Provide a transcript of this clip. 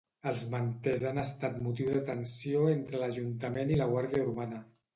Els manters han estat motiu de tensió entre l'Ajuntament i la Guàrdia Urbana.